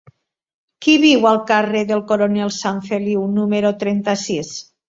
Qui viu al carrer del Coronel Sanfeliu número trenta-sis?